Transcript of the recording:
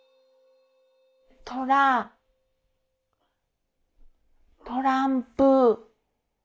トラトランプ。